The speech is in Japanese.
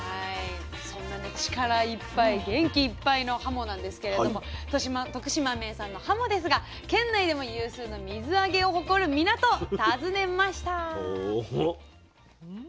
そんな力いっぱい元気いっぱいのはもなんですけれども徳島名産のはもですが県内でも有数の水揚げを誇る港訪ねました。